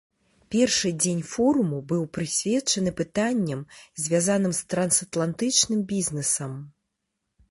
Першы дзень форуму быў прысвечаны пытанням, звязаным з трансатлантычным бізнесам.